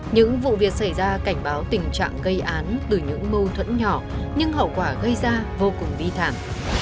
những vụ việc xảy ra cảnh báo tình trạng gây án từ những mâu thuẫn nhỏ nhưng hậu quả gây ra vô cùng vi thảm